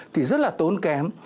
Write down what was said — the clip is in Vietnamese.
thì rất là tốn kém